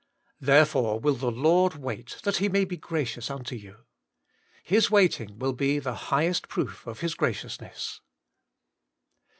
* Therefore will the Lord wait, that He may be gracious unto you.' His waiting will be the highest proof of His graciousness.